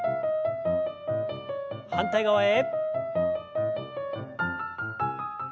反対側へ。